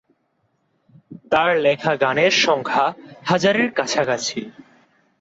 তার লিখা গানের সংখ্যা হাজারের কাছাকাছি।